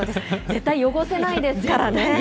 絶対汚せないですからね。